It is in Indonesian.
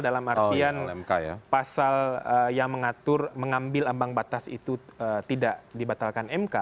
dalam artian pasal yang mengatur mengambil ambang batas itu tidak dibatalkan mk